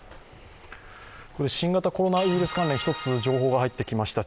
新型コロナウイルス関連、一つ情報が入ってきました。